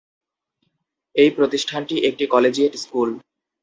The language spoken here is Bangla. এই প্রতিষ্ঠানটি একটি কলেজিয়েট স্কুল।